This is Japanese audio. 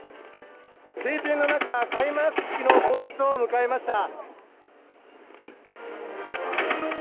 晴天の中、開幕式の当日を迎えました。